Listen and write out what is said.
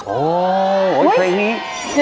โอ้ย